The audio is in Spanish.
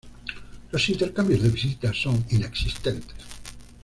Los intercambios de visitas son inexistentes.